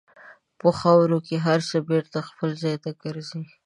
په خاوره کې هر څه بېرته خپل ځای ته ګرځي.